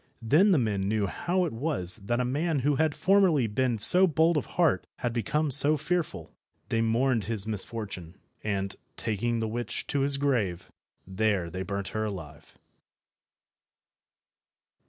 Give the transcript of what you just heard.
Then the men knew how it was that a man who had formerly been so bold of heart had become so fearful. They mourned his misfortune, and, taking the witch to his grave, there they burnt her alive.